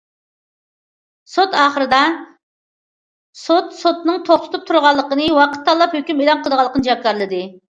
سوت ئاخىرىدا، سوت سوتنىڭ توختىتىپ تۇرۇلغانلىقىنى، ۋاقىت تاللاپ ھۆكۈم ئېلان قىلىدىغانلىقىنى جاكارلىدى.